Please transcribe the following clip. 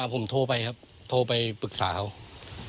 ผมโทรไปครับโทรไปปรึกษาเขา